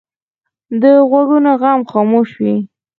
د غوږونو غم خاموش وي